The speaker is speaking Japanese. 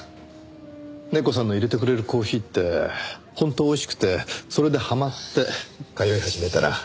ネコさんの淹れてくれるコーヒーって本当おいしくてそれでハマって通い始めたら。